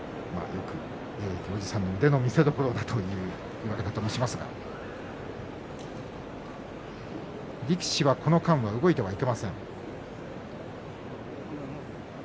よく行司の腕の見せどころという話もしますが力士はこの間動いてはいけません。